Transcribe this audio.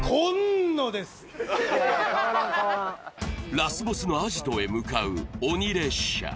ラスボスのアジトへ向かう鬼列車。